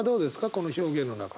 この表現の中で。